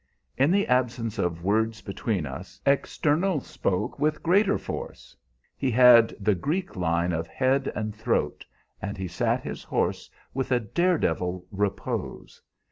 "In the absence of words between us, externals spoke with greater force. He had the Greek line of head and throat, and he sat his horse with a dare devil repose.